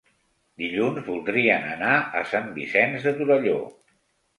Dilluns voldrien anar a Sant Vicenç de Torelló.